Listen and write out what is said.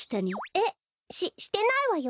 えっししてないわよ